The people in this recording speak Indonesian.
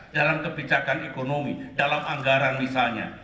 dalam kebijakan ekonomi dalam anggaran misalnya